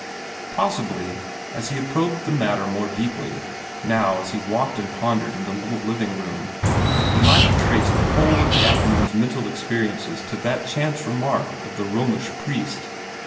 Possibly, if he had probed this matter more deeply, now as he walked and pondered in the little living room, he might have traced the whole of the afternoon's mental experiences to that chance remark of the Romish priest.